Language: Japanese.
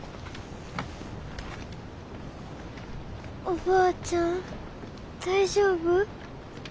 おばあちゃん大丈夫？